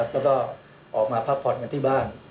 แล้วก็ออกมาพักผ่อนกันที่บ้าน